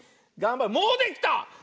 もうできた！